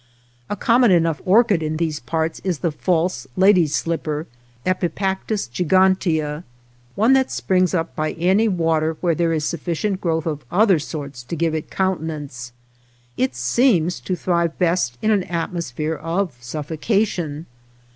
A common enough orchid in these parts is the false lady's slipper {Epipactis gigantea), one that springs up by any water where there is sufficient growth of other sorts to give it countenance. It seems to thrive best in an atmosphere of suffocation.